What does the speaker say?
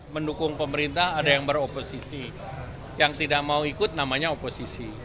mendukung pemerintah ada yang beroposisi yang tidak mau ikut namanya oposisi